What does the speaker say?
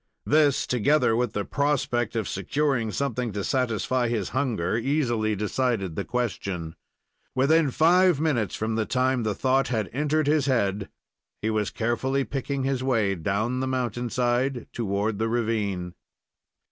This, together with the prospect of securing something to satisfy his hunger, easily decided the question. Within five minutes from the time the thought had entered his head he was carefully picking his way down the mountain side toward the ravine.